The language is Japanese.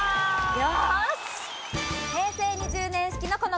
よし！